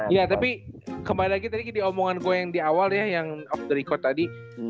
ya tapi kembali lagi tadi di omongan gue yang di awal ya yang of the record tadi